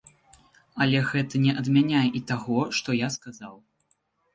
Але гэта не адмяняе і таго, што я сказаў.